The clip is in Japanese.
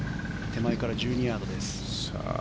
手前から１２ヤードです。